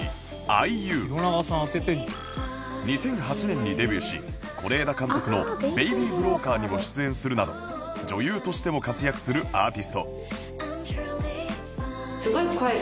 ２００８年にデビューし是枝監督の『ベイビー・ブローカー』にも出演するなど女優としても活躍するアーティスト